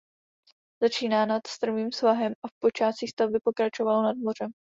Začíná nad strmým svahem a v počátcích stavby pokračovalo nad mořem.